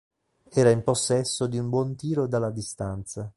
Era in possesso di un buon tiro dalla distanza.